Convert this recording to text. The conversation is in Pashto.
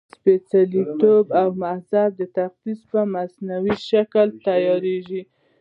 سپېڅلتوب او مذهبي تقدس په مصنوعي شکل تیارېږي.